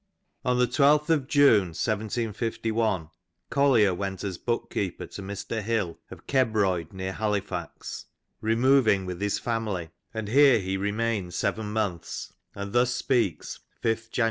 On the 12th of June 1751 Collier went as bookkeeper to Mr. Hill of Eebroyd near Halifax, removing with his family, and here he re mained seven months, and thus speaks (5th Jan.